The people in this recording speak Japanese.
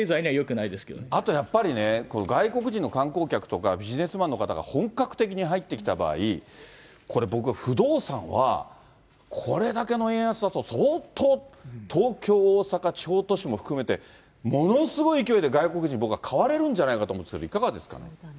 あとやっぱりね、これ、外国人の観光客とか、ビジネスマンの方が本格的に入ってきた場合、これ、僕は不動産は、これだけの円安だと、相当、東京、大阪、地方都市も含めて、ものすごい勢いで外国人、僕は買われるんじゃないかと思うんですけど、いかがですかね？